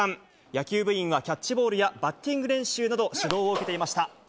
野球部員は、キャッチボールやバッティング練習など、指導を受けていました。